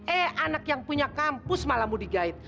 eh anak yang punya kampus malah mau digait